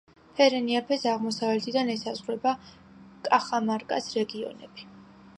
ფერენიაფეს აღმოსავლეთიდან ესაზღვრება კახამარკას რეგიონები.